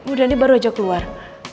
udah ini baru aja keluar